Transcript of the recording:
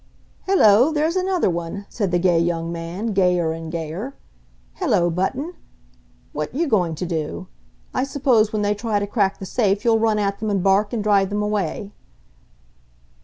"Hello, there's another one!" said the gay young man, gayer and gayer. "Hello, button! What you going to do? I suppose when they try to crack the safe you'll run at them and bark and drive them away!"